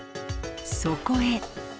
そこへ。